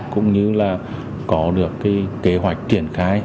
cũng như là có được cái kế hoạch triển khai